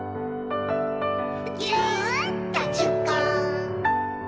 「ぎゅっとじゅっこ」